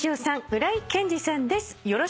浦井健治さんです。